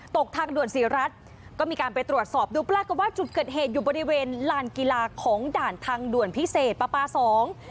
ทางด่วนศรีรัฐก็มีการไปตรวจสอบดูปรากฏว่าจุดเกิดเหตุอยู่บริเวณลานกีฬาของด่านทางด่วนพิเศษปลาปลาสอง